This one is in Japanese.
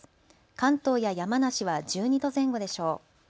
関東や山梨は１２度前後でしょう。